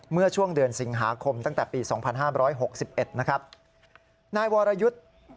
เมื่อช่วงเดือนสิงหาคมตั้งแต่ปี๒๕๖๑นะครับ